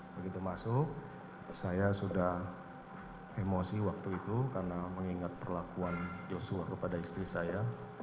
begitu masuk saya sudah emosi waktu itu karena mengingat perlakuan joshua kepada istri saya